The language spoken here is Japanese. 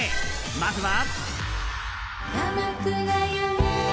まずは。